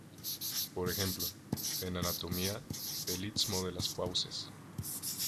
Por ejemplo: en anatomía, el istmo de las fauces.